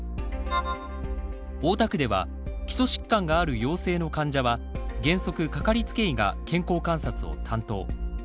大田区では基礎疾患がある陽性の患者は原則かかりつけ医が健康観察を担当。